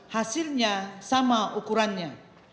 hasilnya sama ukurannya